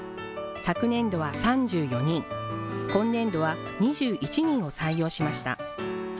昨年度は３４人、今年度は２１人を採用しました。